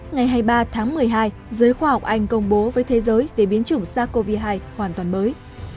ngày hai mươi ba tháng một mươi hai giới khoa học anh công bố với thế giới về biến chủng sars cov hai hoàn toàn mới